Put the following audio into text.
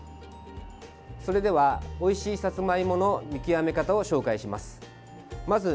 それでは、おいしいさつまいもの見極め方を紹介します。